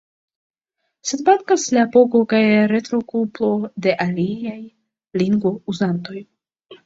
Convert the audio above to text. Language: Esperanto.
Sed mankas la apogo kaj retrokuplo de aliaj lingvo-uzantoj.